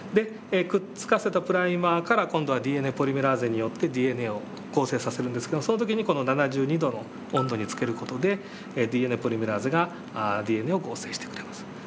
くっつかせたプライマーから今度はＤＮＡポリメラーゼによってＤＮＡを構成させるんですけどその時にこの７２度の温度につける事でＤＮＡポリメラーゼがＤＮＡを合成してくれます。